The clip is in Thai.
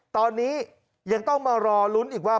ตอนนี้ยังต้องมารอลุ้นอีกว่า